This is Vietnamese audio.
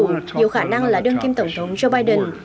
nhiều khả năng là đương kim tổng thống joe biden